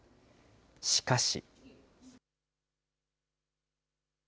しかし。